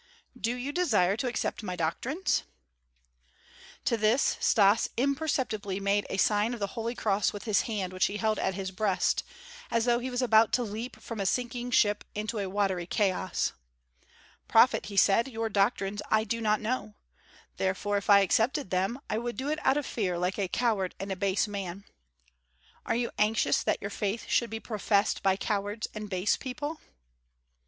"Do you desire to accept my doctrines?" To this Stas imperceptibly made a sign of the holy cross with his hand which he held at his breast, as though he was about to leap from a sinking ship into a watery chaos. "Prophet," he said, "your doctrines I do not know; therefore if I accepted them, I would do it out of fear like a coward and a base man. Are you anxious that your faith should be professed by cowards and base people?"